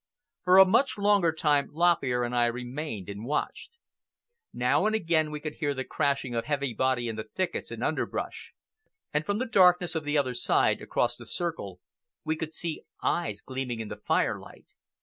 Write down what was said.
For a much longer time Lop Ear and I remained and watched. Now and again we could hear the crashing of heavy bodies in the thickets and underbrush, and from the darkness of the other side, across the circle, we could see eyes gleaming in the firelight.